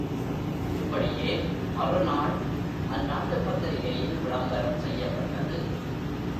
இப்படியே மறுநாள் அந்நாட்டுப் பத்திரிகையில் விளம்பரம் செய்யப்பட்டது.